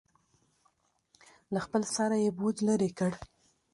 له خپل سره یې بوج لرې کړ.